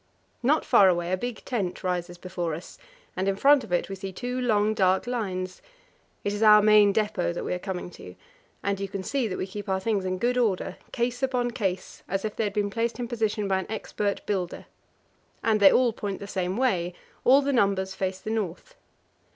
Not far away a big tent rises before us, and in front of it we see two long, dark lines. It is our main depot that we are coming to, and you can see that we keep our things in good order, case upon case, as if they had been placed in position by an expert builder. And they all point the same way; all the numbers face the north.